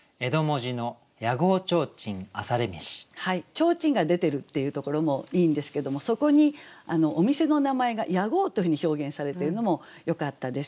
提灯が出てるっていうところもいいんですけどもそこにお店の名前が「屋号」というふうに表現されているのもよかったです。